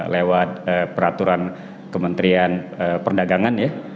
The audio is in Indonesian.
lewat peraturan kementerian perdagangan ya